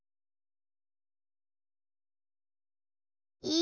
い。